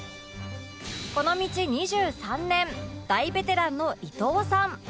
この道２３年大ベテランの伊東さん